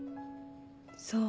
そう。